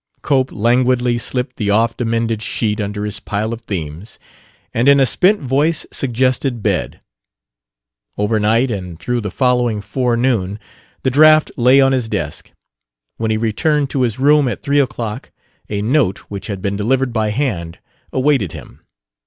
Cope languidly slipped the oft amended sheet under his pile of themes and in a spent voice suggested bed. Over night and through the following forenoon the draft lay on his desk. When he returned to his room at three o'clock a note, which had been delivered by hand, awaited him.